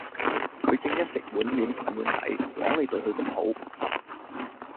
佢正一食碗面反碗底！枉你對佢咁好